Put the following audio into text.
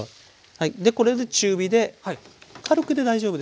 はいでこれで中火で軽くで大丈夫です。